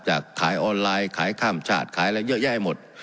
ขายออนไลน์ขายข้ามชาติขายอะไรเยอะแยะให้หมด